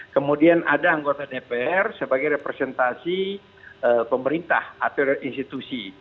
kemudian ada anggota dpr sebagai representasi pemerintah atau institusi